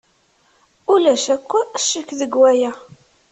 Ulac akk ccek deg waya.